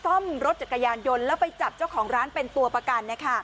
ซ่อมรถจักรยานยนต์แล้วไปจับเจ้าของร้านเป็นตัวประกัน